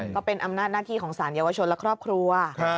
ก็เป็นอำนาจหน้าที่ของสารเยาวชนและครอบครัว